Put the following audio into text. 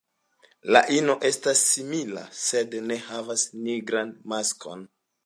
La ino estas simila, sed ne havas la nigran maskon.